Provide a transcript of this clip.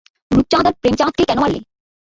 রূপচাঁদ আর প্রেমচাঁদকে কেন মারলে?